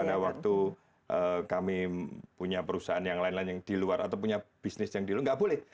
karena waktu kami punya perusahaan yang lain lain yang di luar atau punya bisnis yang di luar nggak boleh